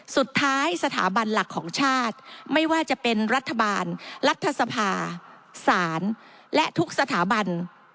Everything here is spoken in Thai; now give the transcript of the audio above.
สถาบันหลักของชาติไม่ว่าจะเป็นรัฐบาลรัฐสภาศาลและทุกสถาบัน